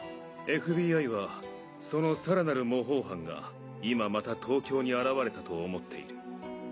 ＦＢＩはそのさらなる模倣犯が今また東京に現れたと思っている。